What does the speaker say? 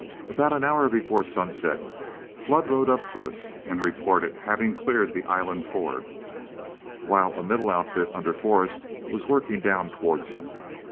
About an hour before sunset, Flood rode up to us and reported having cleared the island ford, while a middle outfit under Forrest was working down towards it.